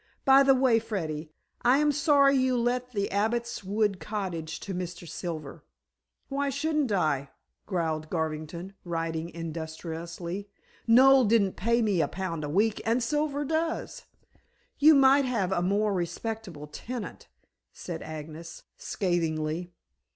"By the way, Freddy, I am sorry you let the Abbot's Wood Cottage to Mr. Silver." "Why shouldn't I?" growled Garvington, writing industriously. "Noel didn't pay me a pound a week, and Silver does." "You might have a more respectable tenant," said Agnes scathingly.